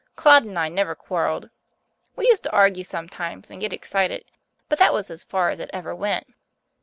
Claude and I never quarrelled. We used to argue sometimes and get excited, but that was as far as it ever went.